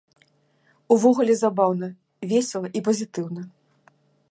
Увогуле забаўна, весела і пазітыўна!